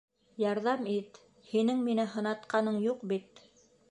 Ярҙам ит. һинең мине һынатҡаның юҡ бит.